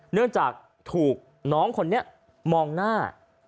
เนื่องจากถูกน้องคนนี้มองหน้า